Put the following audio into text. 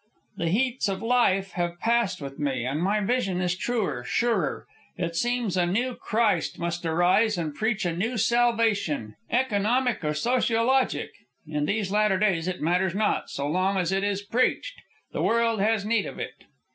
The heats of life have passed with me, and my vision is truer, surer. It seems a new Christ must arise and preach a new salvation economic or sociologic in these latter days, it matters not, so long as it is preached. The world has need of it."